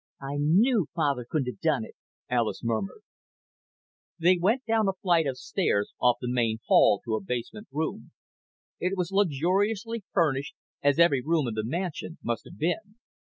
"I knew Father couldn't have done it," Alis murmured. They went down a flight of stairs off the main hall to a basement room. It was luxuriously furnished, as every room in the mansion must have been.